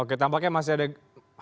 oke tampaknya masih ada hal hal lain